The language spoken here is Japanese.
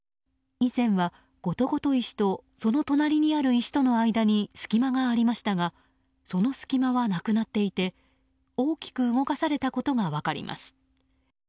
以前はゴトゴト石とその隣にある石との間に隙間がありましたがその隙間はなくなっていて大きく動かされたことが分かります。